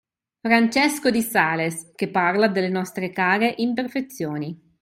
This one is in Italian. Francesco di Sales, che parla delle nostre care imperfezioni.